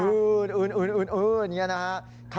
อื่นอย่างนี้นะครับ